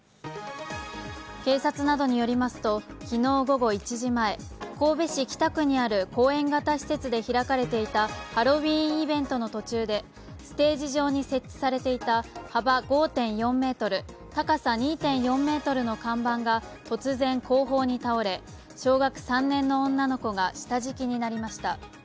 警察などによりますと、昨日午後１時前神戸市北区にある公園型施設で開かれていたハロウィーンイベントの途中でステージ上に設置されていた幅５．４ｍ、高さ２．４ｍの看板が突然、後方に倒れ、小学３年の女の子が下敷きになりました。